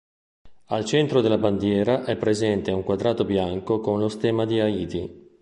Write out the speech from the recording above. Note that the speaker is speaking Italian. Al centro della bandiera è presente un quadrato bianco con lo stemma di Haiti.